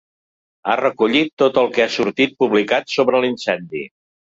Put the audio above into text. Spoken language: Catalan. Ha recollit tot el que ha sortit publicat sobre l'incendi.